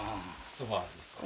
ソファですか？